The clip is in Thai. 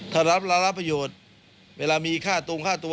ถ้ารับประโยชน์เวลามีค่าตูงค่าตัว